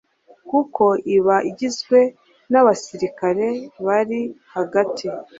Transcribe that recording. kuko iba igizwe n abasirikare bari hagati